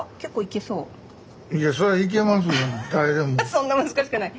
そんな難しくない。